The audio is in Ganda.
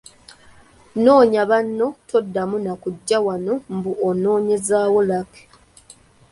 Noonya banno, toddamu n’okujja wano mbu onoonyezaawo Lucky.